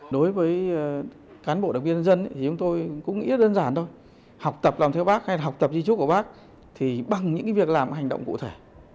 đối với cán bộ đặc biệt dân chúng tôi cũng nghĩ là đơn giản thôi học tập làm theo bác hay học tập di trúc của bác thì bằng những việc làm hành động cụ thể